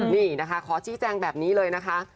นี่นะคะขอชี้แจงแบบนี้เลยนะคะ